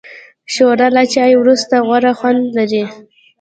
ښوروا له چای وروسته غوره خوند لري.